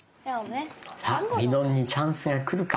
さあみのんにチャンスが来るか？